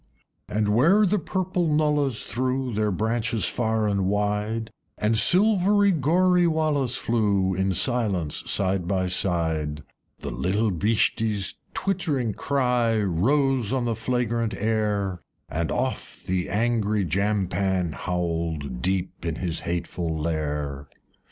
III. And where the purple Nullahs threw Their branches far and wide, And silvery Goreewallahs flew In silence, side by side, The little Bheesties' twittering cry Rose on the flagrant air, And oft the angry Jampan howled Deep in his hateful lair.